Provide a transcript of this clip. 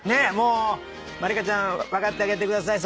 まりかちゃん分かってあげてください。